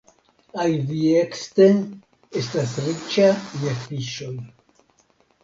Aiviekste estas riĉa je fiŝoj.